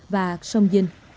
và sông dinh